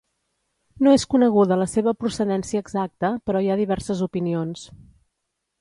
No és coneguda la seva procedència exacta però hi ha diverses opinions.